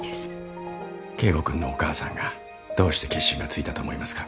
圭吾君のお母さんがどうして決心がついたと思いますか？